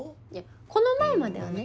この前まではね。